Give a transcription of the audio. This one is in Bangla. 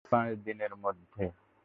পাঁচ দিনের মধ্যে।